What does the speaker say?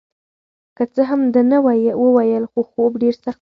که څه هم ده نه وویل خو خوب ډېر سخت نیولی و.